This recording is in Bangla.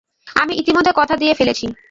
আমি ইতোমধ্যে কথা দিয়ে ফেলেছি।